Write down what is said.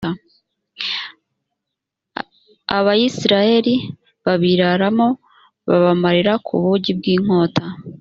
abayisraheli babiraramo, babamarira ku bugi bw’inkota.